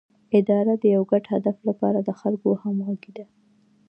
اداره د یو ګډ هدف لپاره د خلکو همغږي ده